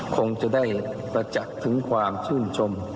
คงจะได้ประจักษ์ถึงความชื่นชม